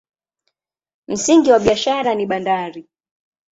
Msingi wa biashara ni bandari.